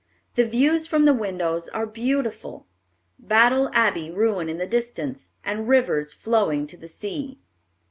The views from the windows are beautiful, Battle Abbey ruin in the distance, and rivers flowing to the sea.